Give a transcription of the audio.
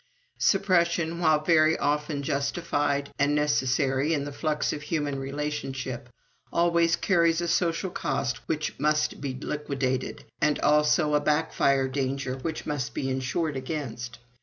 Suppression, while very often justified and necessary in the flux of human relationship, always carries a social cost which must be liquidated, and also a backfire danger which must be insured against.